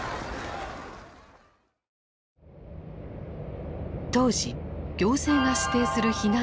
当時行政が指定する避難所はなかった。